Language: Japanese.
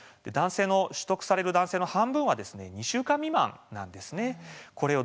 取得する男性の半分は２週間未満なんです。